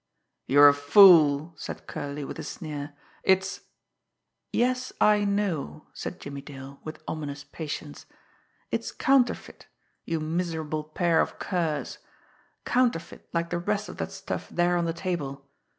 "You're a fool!" said Curley, with a sneer. "It's " "Yes, I know," said Jimmie Dale, with ominous patience, "it's counterfeit, you miserable pair of curs! Counterfeit like the rest of that stuff there on the table!